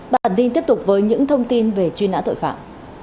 bản tin tiếp tục với những thông tin về truy nã tội phạm